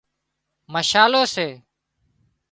مشالو سي